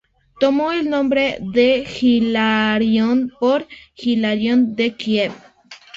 Tomó el nombre de Hilarión por Hilarión de Kiev.